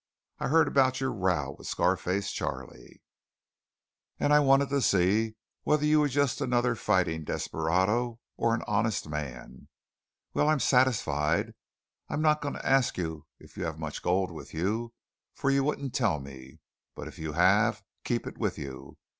I heard about your row with Scar face Charley, and I wanted to see whether you were just another fighting desperado or an honest man. Well, I'm satisfied. I'm not going to ask you if you have much gold with you, for you wouldn't tell me; but if you have, keep it with you.